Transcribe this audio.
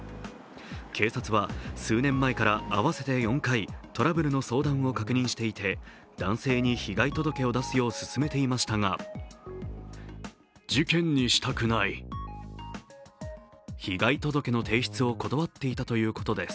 警察は数年前から、合わせて４回、トラブルの相談を確認していて男性に被害届を出すようすすめていましたが被害届の提出を断っていたということです。